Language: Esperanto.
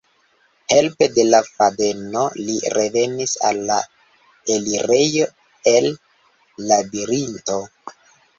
Helpe de la fadeno li revenis al la elirejo el Labirinto.